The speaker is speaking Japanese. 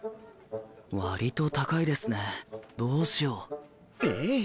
わりと高いですねどうしよう。え！？